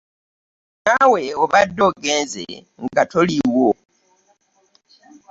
Naawe obadde ogenze nga toliiwo.